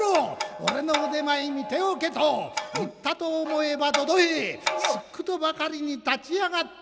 俺の腕前見ておけ」と言ったと思えばどど平すっくとばかりに立ち上がった。